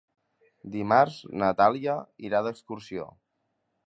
Dimarts na Dàlia irà d'excursió.